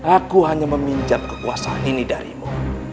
aku hanya meminjam kekuasaan ini darimu